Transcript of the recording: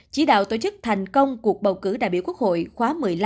chỉ đạo tổ chức thành công cuộc bầu cử đại biểu quốc hội khóa một mươi năm